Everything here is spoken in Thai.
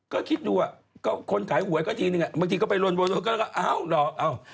ก็คิดดูอ่ะคนขายหวยก็ทีนึงบางทีก็ไปโรนแล้วก็อ้าวหรอก